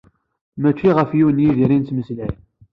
Mačči ɣef yiwen n Yidir iɣef d-nettmeslay.